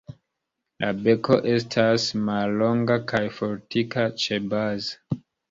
La beko estas mallonga kaj fortika ĉebaze.